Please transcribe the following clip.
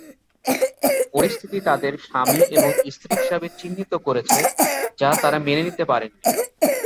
পরিস্থিতি তাদের স্বামী এবং স্ত্রী হিসাবে চিহ্নিত করেছে যা তারা মেনে নিতে পারেনি।